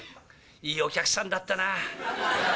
いいお客さんだったなあ。